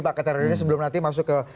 pak ke teror ini sebelum nanti masuk ke